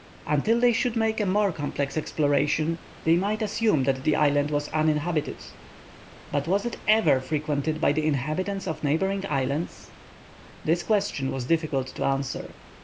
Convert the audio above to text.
Until they should make a more complete exploration, they might assume that the island was uninhabited. But was it ever frequented by the inhabitants of neighboring islands? This question was difficult to answer.